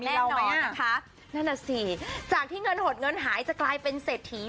แน่นอนอ่ะนะคะนั่นน่ะสิจากที่เงินหดเงินหายจะกลายเป็นเศรษฐี